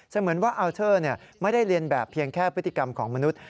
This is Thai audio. เหมือนว่าอัลเชอร์ไม่ได้เรียนแบบเพียงแค่พฤติกรรมของมนุษย